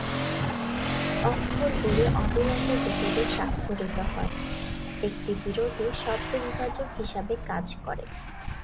অক্ষরগুলি অবিরত গতিতে স্বাক্ষরিত হয়; একটি বিরতি শব্দ বিভাজক হিসাবে কাজ করে।